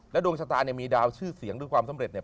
ดวงชะตาเนี่ยมีดาวชื่อเสียงด้วยความสำเร็จเนี่ย